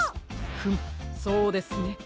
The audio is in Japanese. フムそうですね。